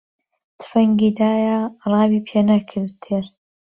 تفەنگی دایە، ڕاوی پێ نەکرد تێر